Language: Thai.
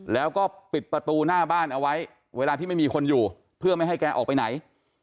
แล้วก็ปิดประตูหน้าบ้านเอาไว้เวลาที่ไม่มีคนอยู่เพื่อไม่ให้แกออกไปไหน